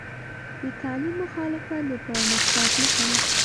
د تعلیم مخالفت د پرمختګ مخه نیسي.